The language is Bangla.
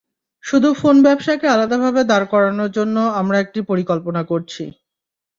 শুধু ফোন ব্যবসাকে আলাদাভাবে দাঁড় করানোর জন্য আমরা একটি পরিকল্পনা করছি।